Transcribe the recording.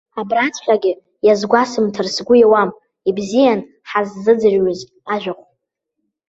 Абраҵәҟьагьы иазгәасымҭар сгәы иауам, ибзиан ҳаззыӡырҩыз ажәахә.